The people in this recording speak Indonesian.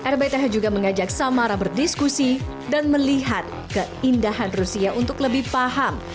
rbth juga mengajak samara berdiskusi dan melihat keindahan rusia untuk lebih paham